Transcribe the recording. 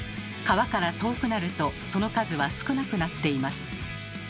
皮から遠くなるとその数は少なくなっています。